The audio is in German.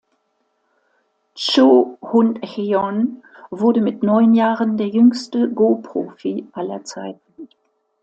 Cho Hun-hyeon wurde mit neun Jahren der jüngste Go-Profi aller Zeiten.